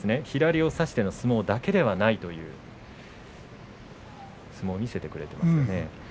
左を差しての相撲だけではないという相撲を見せてくれましたね。